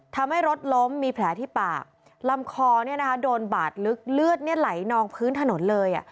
ทำให้รถล้มมีแผลที่ปากลำคอโดนบาดลึกเลือดไหลนองพื้นถนนเลย